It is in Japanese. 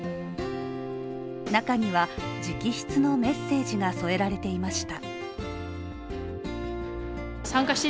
中には、直筆のメッセージが添えられていました。